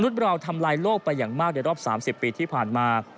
อย่างมากในรอบ๓๐ปีที่ผ่านมา